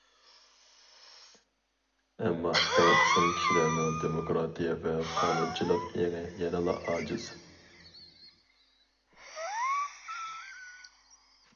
ئەمما بىر قىسىم كىشىلەرنىڭ دېموكراتىيە ۋە قانۇنچىلىق ئېڭى يەنىلا ئاجىز.